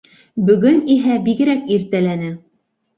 Бөгөн иһә бигерәк иртәләне.